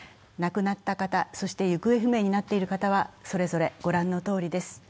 亡くなった方、行方不明になっている方はそれぞれ御覧のとおりです。